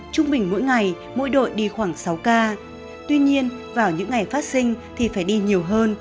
trung bình mỗi ngày mỗi đội đi khoảng sáu ca tuy nhiên vào những ngày phát sinh thì phải đi nhiều hơn